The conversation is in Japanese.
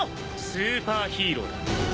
「スーパーヒーローだ」